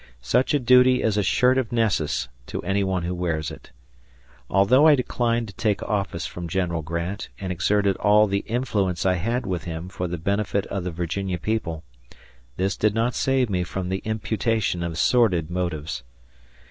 Such a duty is a shirt of Nessus to any one who wears it. Although I declined to take office from General Grant and exerted all the influence I had with him for the benefit of the Virginia people, this did not save me from the imputation of sordid motives.